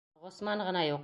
Ғосман ғына юҡ.